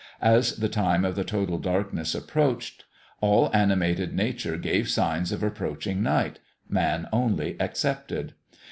As the time of the total darkness approached, all animated nature gave signs of approaching night, man only excepted.